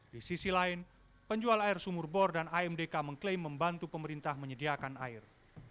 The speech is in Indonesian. di sisi lain penjual air sumur bor dan amdk mengklaim membantu pemerintah menyediakan air